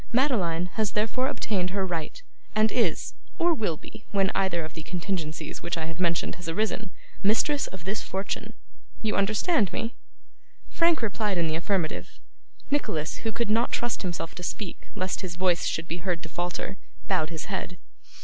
Madeline has therefore obtained her right, and is, or will be, when either of the contingencies which I have mentioned has arisen, mistress of this fortune. You understand me?' Frank replied in the affirmative. Nicholas, who could not trust himself to speak lest his voice should be heard to falter, bowed his head.